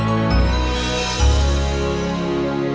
dr janganun ke kantor nyembol tiongkok